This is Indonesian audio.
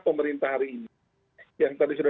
pemerintah hari ini yang tadi sudah